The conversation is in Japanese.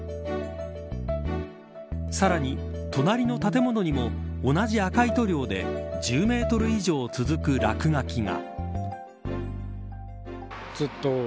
さらに、隣の建物にも同じ赤い塗料で１０メートル以上続く落書きが。